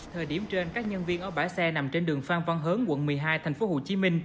thời điểm trên các nhân viên ở bãi xe nằm trên đường phan văn hớn quận một mươi hai tp hcm